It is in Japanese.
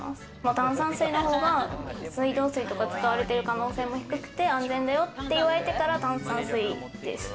炭酸水の方が水道水とか使われてる可能性も低くて安全だよって言われてから炭酸水です。